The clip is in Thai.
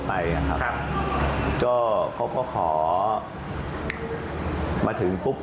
ไปอ่ะฮะเพราะก็คนซื้อทั่วไปอ่ะครับแล้วก็เขาก็ขอมาถึงปุ๊ป